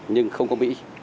nhưng không có mỹ